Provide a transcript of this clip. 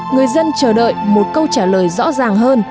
người dân chờ đợi một câu trả lời rõ ràng hơn